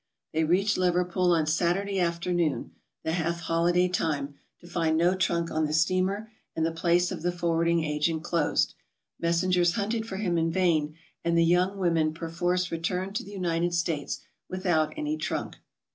They reached Idverpool on Saturday afternoon, — the half holiday time, — to find no trunk on the steamer and the j place of ithe forwarding agent closed. Messengers hunted •for him in vain and the young women perforce returned to the United States without any trunk.